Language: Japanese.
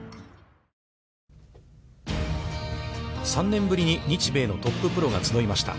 ３年ぶりに日米のトッププロが集いました。